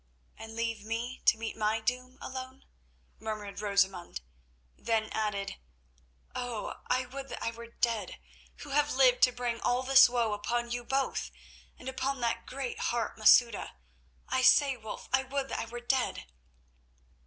"And leave me to meet my doom alone," murmured Rosamund; then added, "Oh! I would that I were dead who have lived to bring all this woe upon you both, and upon that great heart, Masouda. I say, Wulf, I would that I were dead."